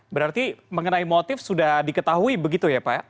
berarti mengenai motif sudah diketahui begitu ya pak